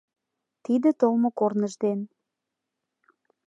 Тиде толмо корныж ден